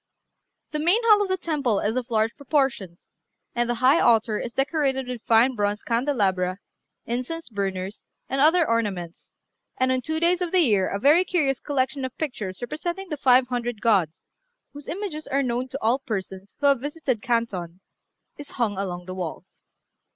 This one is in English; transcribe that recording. The main hall of the temple is of large proportions, and the high altar is decorated with fine bronze candelabra, incense burners, and other ornaments, and on two days of the year a very curious collection of pictures representing the five hundred gods, whose images are known to all persons who have visited Canton, is hung along the walls.